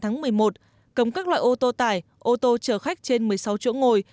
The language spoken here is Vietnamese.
thành phố đà nẵng sẽ cấm các loại ô tô tải ô tô chở khách trên một mươi sáu chỗ ngồi